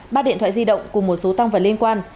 ba điện thoại di động cùng một số tăng vật liên quan